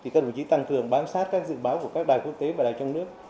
các đồng chí tăng cường bám sát các dự báo của các đài quốc tế và đài trong nước